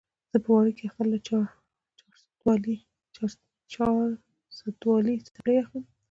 زه به وړوکي اختر له چارسدوالې څپلۍ اخلم